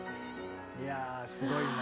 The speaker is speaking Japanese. いやすごいな。